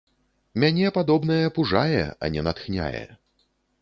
Мяне падобнае пужае, а не натхняе.